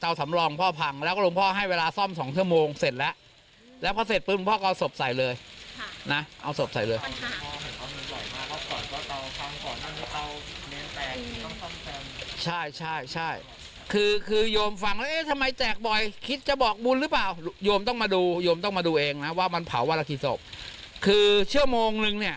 วันละกี่ศพคือเชื่อโมงนึงเนี่ย